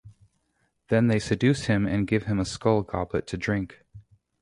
Then they seduce him and give him a skull goblet to drink.